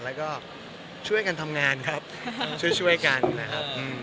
แล้วก็ช่วยกันทำงานครับช่วยกันนะครับ